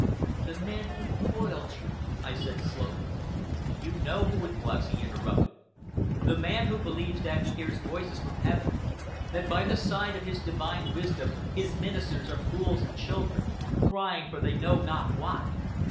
"The man who foiled you " I said slowly. "You know who it was," he interrupted. "The man who believes that he hears voices from heaven, that by the side of his Divine wisdom his ministers are fools and children, crying for they know not what!